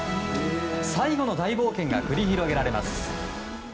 最後の大冒険が繰り広げられます。